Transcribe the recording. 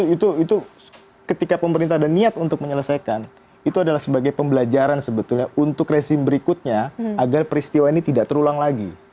itu ketika pemerintah ada niat untuk menyelesaikan itu adalah sebagai pembelajaran sebetulnya untuk rezim berikutnya agar peristiwa ini tidak terulang lagi